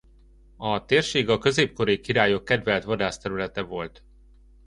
A térség a középkori királyok kedvelt vadászterülete volt.